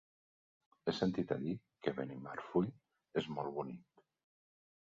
He sentit a dir que Benimarfull és molt bonic.